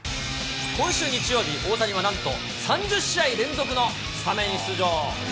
今週日曜日、大谷はなんと３０試合連続のスタメン出場。